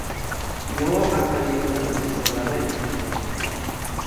No ha salido la versión doblada en español.